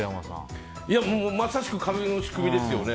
まさしく株の仕組みですよね。